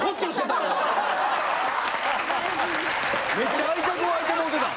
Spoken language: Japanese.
めちゃ愛着湧いてもうてた。